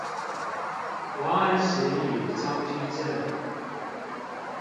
王安石與張居正